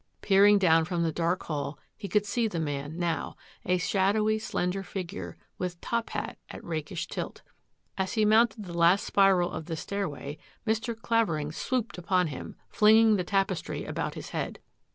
Peering down from the dark hall, he could see the man now, a shadowy, slender figure, with top hat at rakish tilt. As he mounted the last spiral of the stairway, Mr. Clavering swooped upon him, flinging the tap estry about his head.